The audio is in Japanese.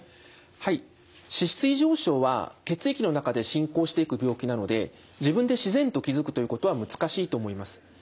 はい脂質異常症は血液の中で進行していく病気なので自分で自然と気付くということは難しいと思います。